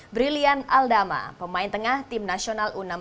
brilian aldama pemain tengah timnasional u enam belas